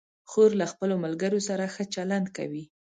خور له خپلو ملګرو سره ښه چلند کوي.